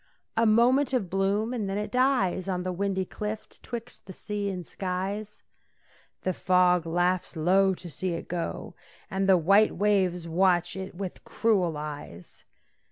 A moment of bloom, and then it dies On the windy cliff 'twixt the sea and skies. The fog laughs low to see it go, And the white waves watch it with cruel eyes.